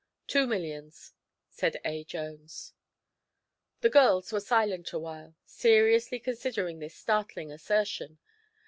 "Two millions," said A. Jones. The girls were silent a while, seriously considering this startling assertion.